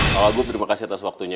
kalau gua terima kasih atas waktunya